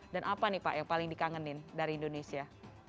dan apa nih pak yang paling dikangenin dari indonesia